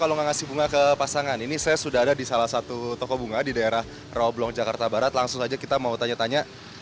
langsung saja kita mau tanya tanya